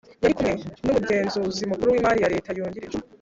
Yari kumwe n’Umugenzuzi Mukuru w’Imari ya Leta Wungirije